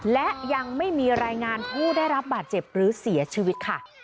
และยังไม่มีรายงานผู้ได้รับบาดเจ็บหรือเสียชีวิตค่ะ